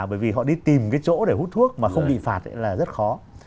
bởi vì họ đi tìm cái chỗ để hút thuốc mà không bị phạt là rất khó